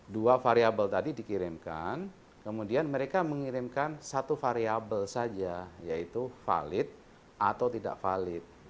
dua variable tadi dikirimkan kemudian mereka mengirimkan satu variabel saja yaitu valid atau tidak valid